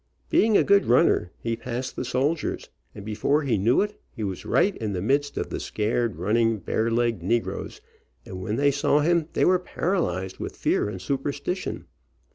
Being a good runner he passed the soldiers, and before he knew it he was right in the midst of the scared, run ning, barelegged negroes, and when they saw him they were paralyzed with fear and superstition.